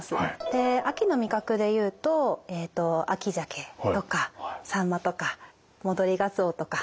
で秋の味覚でいうと秋じゃけとかさんまとか戻りがつおとか。